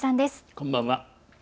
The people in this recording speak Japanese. こんばんは。